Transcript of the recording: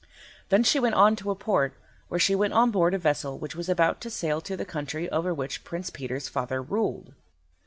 Then she went on to a port, where she went on board a vessel which was about to sail to the country over which Prince Peter's father ruled.